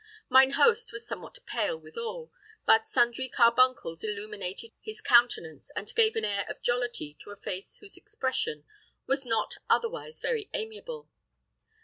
Mine host was somewhat pale withal; but sundry carbuncles illuminated his countenance, and gave an air of jollity to a face whose expression was not otherwise very amiable.